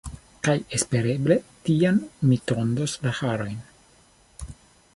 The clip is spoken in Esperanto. Kaj espereble tiam mi tondos la harojn.